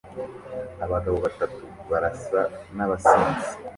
Abagabo batatu barasa nabasinzi